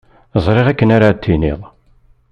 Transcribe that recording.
Ẓriɣ akken ara d-tiniḍ.